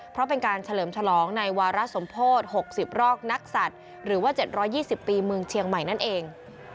เพราะเป็นการเฉลิมฉลองในวาระสมโพธิ๖๐รอกนักศัตริย์หรือว่า๗๒๐ปีเมืองเชียงใหม่นั่นเอง